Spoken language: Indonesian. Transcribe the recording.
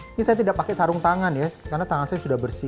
ini saya tidak pakai sarung tangan ya karena tangan saya sudah bersih